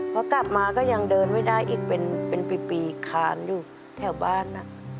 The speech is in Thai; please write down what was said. พอกลับมาก็ยังเดินไม่ได้อีกเป็นปีคานอยู่แถวบ้าน